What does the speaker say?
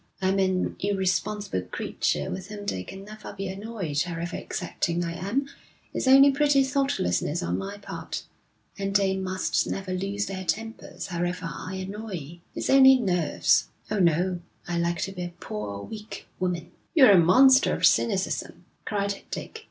I'm an irresponsible creature with whom they can never be annoyed however exacting I am it's only pretty thoughtlessness on my part and they must never lose their tempers however I annoy it's only nerves. Oh, no, I like to be a poor, weak woman.' 'You're a monster of cynicism,' cried Dick.